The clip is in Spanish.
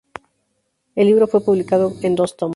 El libro fue publicado en dos tomos.